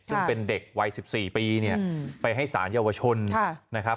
ซึ่งเป็นเด็กวัย๑๔ปีเนี่ยไปให้สารเยาวชนนะครับ